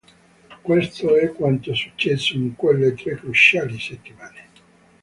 Questo è quanto successo in quelle tre cruciali settimane.